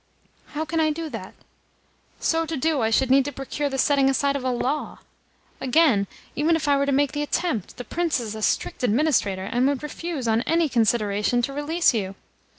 "How can I do that? So to do I should need to procure the setting aside of a law. Again, even if I were to make the attempt, the Prince is a strict administrator, and would refuse on any consideration to release you."